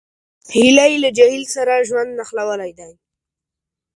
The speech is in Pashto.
هیلۍ له جهیل سره ژوند نښلولی دی